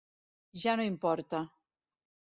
Ja no importa.